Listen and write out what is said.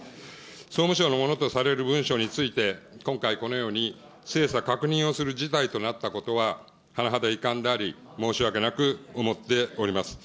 総務省のものとされる文書について、今回、このように精査、確認をする事態となったことは、甚だ遺憾であり申し訳なく思っております。